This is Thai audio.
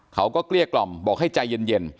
เกลี้ยกล่อมบอกให้ใจเย็น